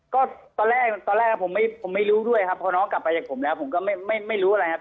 ก็ตอนแรกตอนแรกผมไม่รู้ด้วยครับพอน้องกลับไปจากผมแล้วผมก็ไม่รู้อะไรครับ